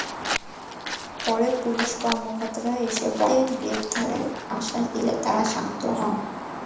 পরে পুলিশ কর্মকর্তারা এসে বখাটেদের গ্রেপ্তারের আশ্বাস দিলে তারা শান্ত হয়।